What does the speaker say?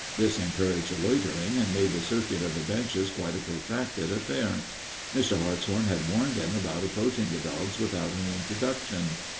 This encouraged loitering and made the circuit of the benches quite a protracted affair. Mr. Hartshorn had warned them about approaching the dogs without an introduction.